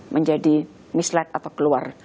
menjadi mislet atau keluar